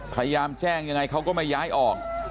พยายามแจ้งยังไงเขาก็ไม่ย้ายออก